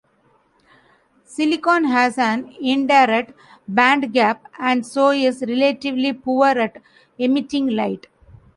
Silicon has an indirect bandgap and so is relatively poor at emitting light.